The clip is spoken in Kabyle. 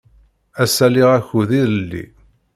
Ass-a, liɣ akud ilelli.